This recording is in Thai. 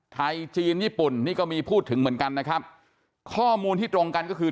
จีนญี่ปุ่นนี่ก็มีพูดถึงเหมือนกันนะครับข้อมูลที่ตรงกันก็คือ